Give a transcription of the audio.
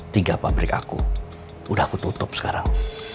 tiga pabrik aku udah aku tutup sekarang